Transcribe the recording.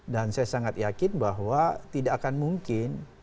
dan saya sangat yakin bahwa tidak akan mungkin